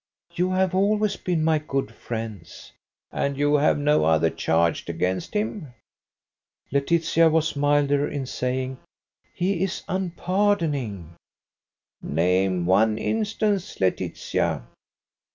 "You have always been my good friends." "And you have no other charge against him?" Laetitia was milder in saying, "He is unpardoning." "Name one instance, Laetitia."